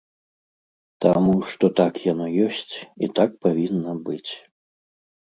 Таму, што так яно ёсць і так павінна быць.